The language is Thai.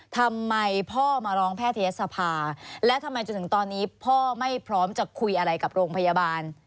ทำไมพ่อมาร้องแพทยศภาและทำไมจนถึงตอนนี้พ่อไม่พร้อมจะคุยอะไรกับโรงพยาบาล